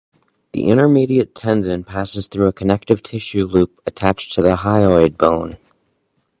The intermediate tendon passes through a connective tissue loop attached to the hyoid bone.